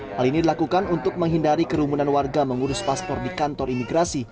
hal ini dilakukan untuk menghindari kerumunan warga mengurus paspor di kantor imigrasi